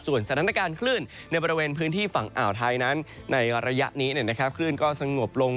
สถานการณ์คลื่นในบริเวณพื้นที่ฝั่งอ่าวไทยนั้นในระยะนี้คลื่นก็สงบลง